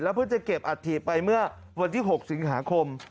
เพื่อจะเก็บอัฐิไปเมื่อวันที่๖สิงหาคม